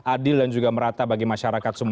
adil dan juga merata bagi masyarakat